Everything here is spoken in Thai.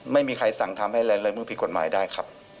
ไม่มีใครสั่งทำให้แรงลายมือผิดกฎหมายได้ครับ